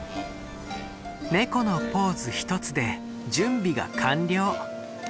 ネコのポーズひとつで準備が完了。